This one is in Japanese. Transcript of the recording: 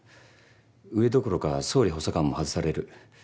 上どころか総理補佐官も外される。